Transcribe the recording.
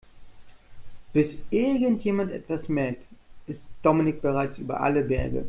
Bis irgendjemand etwas merkt, ist Dominik bereits über alle Berge.